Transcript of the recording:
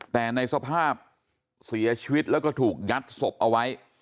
แต่ในสภาพเสียชีวิตแล้วก็ถูกยัดศพเอาไว้